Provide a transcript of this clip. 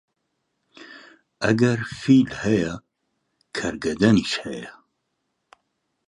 ئەگەر فیل هەیە، کەرگەدەنیش هەیە